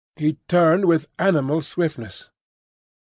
He turned with animal swiftness.